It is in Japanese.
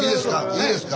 いいですか？